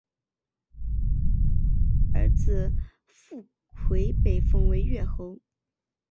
儿子苻馗被封为越侯。